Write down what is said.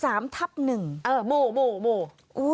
อ่าหมูหมูหมู